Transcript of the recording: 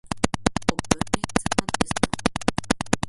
Obrni se na desno.